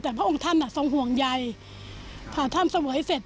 แต่พระองค์ท่านทรงห่วงใยพอท่านเสวยเสร็จ